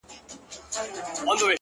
د کلي حوري په ټول کلي کي لمبې جوړي کړې!